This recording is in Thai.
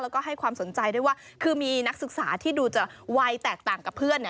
แล้วก็ให้ความสนใจด้วยว่าคือมีนักศึกษาที่ดูจะวัยแตกต่างกับเพื่อน